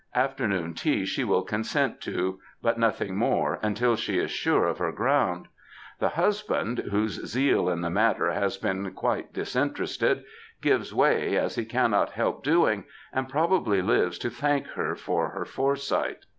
Afternoon tea she will consent to, but nothing more until she is sure of her ground. The husband, whose zeal in the matter has been quite disinterested, gives way, as he cannot help doing, and probably lives to thank her for her foresight.